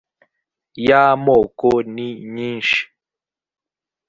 y amoko ni nyinshi